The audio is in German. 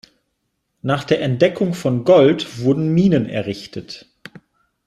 Nach der Entdeckung von Gold wurden Minen errichtet.